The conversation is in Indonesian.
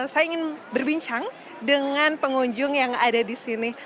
saya ingin berbincang dengan pengunjung yang ada di sini